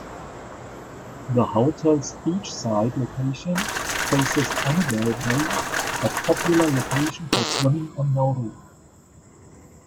The hotel's beachside location faces Anibare Bay, a popular location for swimming on Nauru.